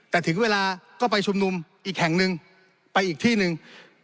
แต่ถึงเวลาก็ไปชุมนุมอีกแห่งหนึ่งไปอีกที่หนึ่ง